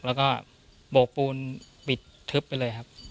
แล้วก็โบกปูนปิดทึบไปเลยครับ